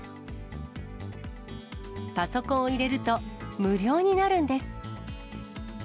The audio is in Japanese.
パソコンを入れると、無料になるんです。